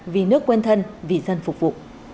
vì nước quên thân vì dân phục vụ